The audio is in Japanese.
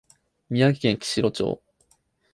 宮崎県木城町